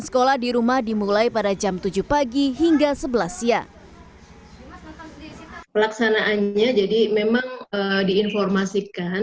sekolah di rumah dimulai pada jam tujuh pagi hingga sebelas siang pelaksanaannya jadi memang diinformasikan